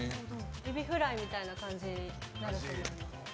エビフライみたいな感じになると思います。